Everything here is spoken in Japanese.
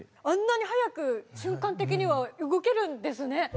あんなに速く瞬間的には動けるんですね。